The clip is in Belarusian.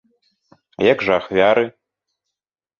А як жа ахвяры?